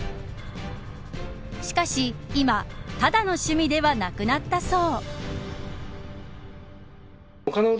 しかし今ただの趣味ではなくなったそう。